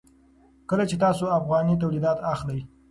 کله چې تاسو افغاني تولید اخلئ.